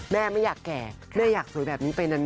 แม่ไม่อยากแก่แม่อยากสวยแบบนี้ไปนาน